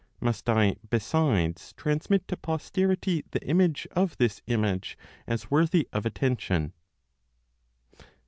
Must I besides transmit to posterity the image of this image as worthy of attention?"